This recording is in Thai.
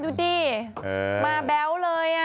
ดูดิมาแบ๊วเลย